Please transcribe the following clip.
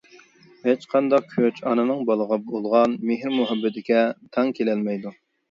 ھېچقانداق كۈچ ئانىنىڭ بالىغا بولغان مېھىر-مۇھەببىتىگە تەڭ كېلەلمەيدۇ.